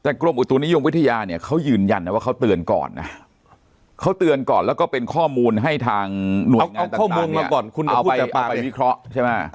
แต่กรมอุตุนิยมวิทยาเนี่ยเขายืนยันนะว่าเขาเตือนก่อนนะเขาเตือนก่อนแล้วก็เป็นข้อมูลให้ทางหน่วยเอาข้อมูลมาก่อนคุณออกไปวิเคราะห์ใช่ไหม